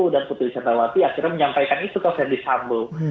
dan putri santawati akhirnya menyampaikan itu ke ferdis hambel